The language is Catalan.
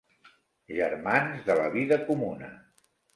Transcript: Germans de la vida comuna.